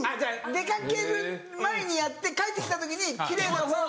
出かける前にやって帰ってきた時に奇麗な方が。